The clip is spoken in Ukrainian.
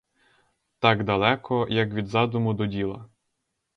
Так далеко, як від задуму до діла.